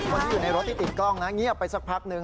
ก่อนที่อยู่ในรถติดกล้องนะง่ีบไปสักพักนึง